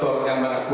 apa yang diperlukan